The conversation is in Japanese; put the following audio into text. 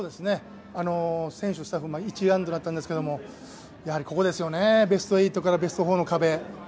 選手、スタッフ一丸となったんですけれどもやはりここですよね、ベスト８からベスト４の壁